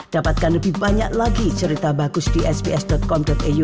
dapatkan lebih banyak lagi cerita bagus di sps com iu